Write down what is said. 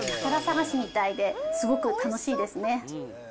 宝さがしみたいですごく楽しいですね。